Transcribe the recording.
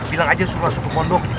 bilang aja suruh langsung ke pondok